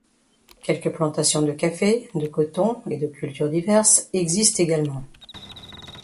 Quelques plantations de café, de coton et de cultures diverses existent également.